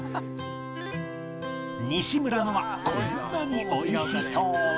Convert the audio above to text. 西村のはこんなに美味しそうに！